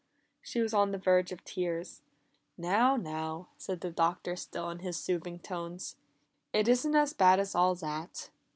She was on the verge of tears. "Now, now," said the Doctor still in his soothing tones. "It isn't as bad as all that."